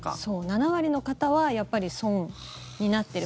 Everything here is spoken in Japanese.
７割の方はやっぱり損になっている。